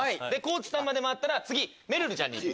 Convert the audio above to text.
地さんまで回ったら次めるるちゃん。